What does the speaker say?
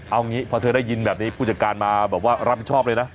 เอางี้พอเธอได้ยินแบบนี้ผู้จัดการมาแบบว่ารับผิดชอบเลยนะ